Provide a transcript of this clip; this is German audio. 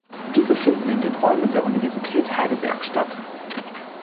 Diese finden in den Räumen der Universität Heidelberg statt.